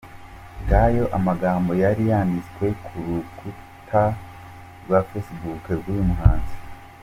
Ngayo amagambo yari yanditswe ku rukuta rwa facebook rw'uyu muhanzi.